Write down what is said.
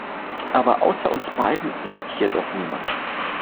Aber außer uns beiden ist hier doch niemand.